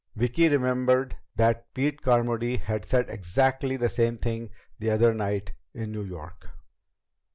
Vicki remembered that Pete Carmody had said exactly the same thing the other night in New York.